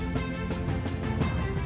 yang merasa bahagia